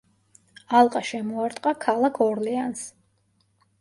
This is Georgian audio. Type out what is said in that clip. ალყა შემოარტყა ქალაქ ორლეანს.